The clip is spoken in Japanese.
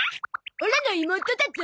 オラの妹だゾ。